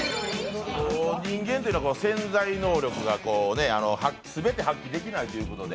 人間ってのは潜在能力が全て発揮できないということで